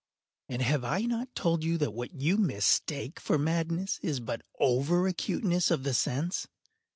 And have I not told you that what you mistake for madness is but over acuteness of the sense?